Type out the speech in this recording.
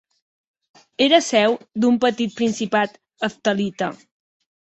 Era seu d'un petit principat heftalita.